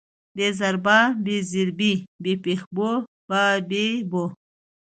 ب زر با، ب زېر بي، ب پېښ بو، با بي بو